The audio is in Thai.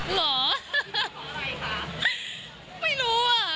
หรอไม่รู้อะ